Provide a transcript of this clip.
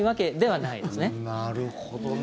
なるほどね。